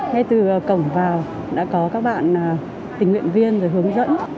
ngay từ cổng vào đã có các bạn tình nguyện viên rồi hướng dẫn